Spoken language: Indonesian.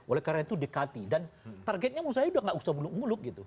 oleh karena itu dekati dan targetnya menurut saya udah gak usah muluk muluk gitu